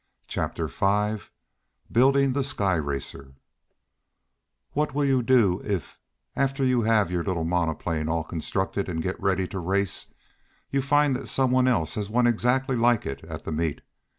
Chapter Five Building the Sky Racer "What will you do, if, after you have your little monoplane all constructed, and get ready to race, you find that some one else has one exactly like it at the meet?"